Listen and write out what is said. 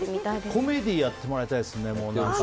コメディーをやってもらいたいですね。